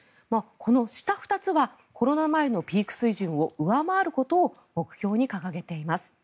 この下２つはコロナ前のピーク水準を上回ることを目標に掲げています。